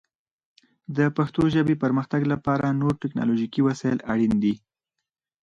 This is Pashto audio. د پښتو ژبې پرمختګ لپاره نور ټکنالوژیکي وسایل اړین دي.